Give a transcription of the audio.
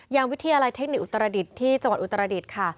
อย่างวิทยาลัยเทคนิคอุตรดิตที่จังหวัดอุตรดิตค่ะ